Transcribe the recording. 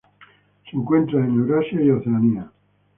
Se encuentra en Eurasia y Oceanía.